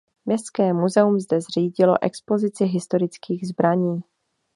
Městské muzeum zde zřídilo expozici historických zbraní.